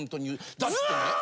だってね。